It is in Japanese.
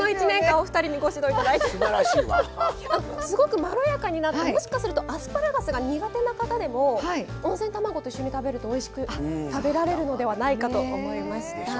すごくまろやかになってもしかするとアスパラガスが苦手な方でも温泉卵と一緒に食べるとおいしく食べられるのではないかと思いました。